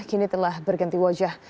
kini telah berganti wajah